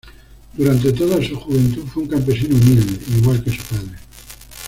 Durante toda su juventud fue un campesino humilde, igual que su padre.